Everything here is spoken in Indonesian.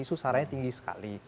susahannya tinggi sekali